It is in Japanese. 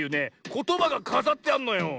ことばがかざってあんのよ。